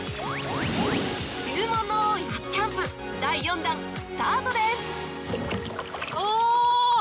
『注文の多い初キャンプ』第４弾スタートです！